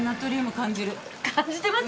感じてます？